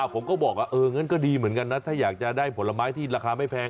ผมก็บอกว่าเอองั้นก็ดีเหมือนกันนะถ้าอยากจะได้ผลไม้ที่ราคาไม่แพง